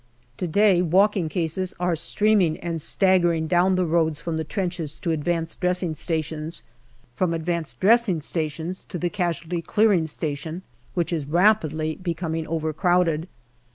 To day, walking cases are streaming and staggering down the roads from the trenches to advanced dressing NOVEMBER 277 stations, from advanced dressing stations to the casualty clearing station, which is rapidly becoming overcrowded.